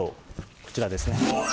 こちらですね。